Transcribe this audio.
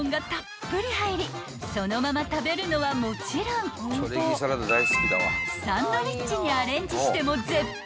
［そのまま食べるのはもちろんサンドイッチにアレンジしても絶品］